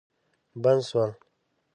بند سول.